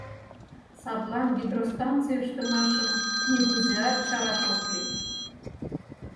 Садлан гидростанций ыштымашым нигузеат чараш ок лий.